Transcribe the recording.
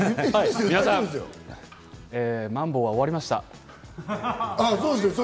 皆さん、まん防は終わりました。